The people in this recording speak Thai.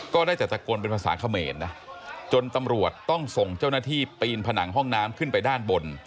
ได้แต่ตะโกนเป็นภาษาเขมรนะจนตำรวจต้องส่งเจ้าหน้าที่ปีนผนังห้องน้ำขึ้นไปด้านบน